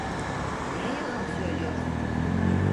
Niye yalan söylüyorsun?